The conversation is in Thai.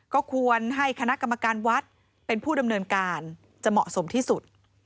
ก็ควรให้คณะกรรมการวัดเป็นผู้ดำเนินการจะเหมาะสมที่สุด